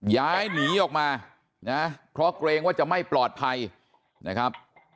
ย้ายหนีออกมานะเพราะเกรงว่าจะไม่ปลอดภัยนะครับ